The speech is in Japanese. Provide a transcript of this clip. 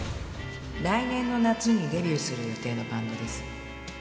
来年の夏にデビューする予定のバンドです。